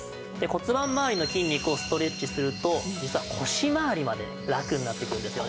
骨盤まわりの筋肉をストレッチすると実は腰まわりまでラクになっていくんですよね。